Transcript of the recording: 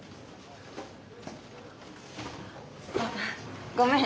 あごめん